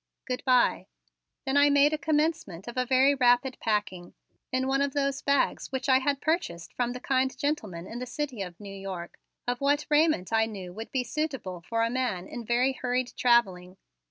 Good bye!" Then I made a commencement of a very rapid packing, in one of those bags which I had purchased from the kind gentleman in the City of New York, of what raiment I knew would be suitable for a man in very hurried traveling.